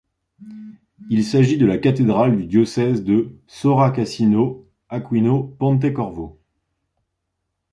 Il s'agit de la cathédrale du diocèse de Sora-Cassino-Aquino-Pontecorvo.